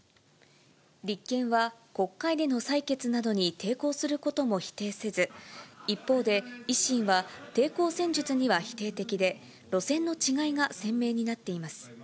立憲は国会での採決などに抵抗することも否定せず、一方で維新は、抵抗戦術には否定的で、路線の違いが鮮明になっています。